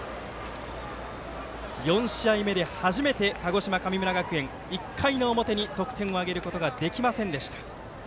４試合目で初めて鹿児島、神村学園１回の表に得点を挙げることができませんでした。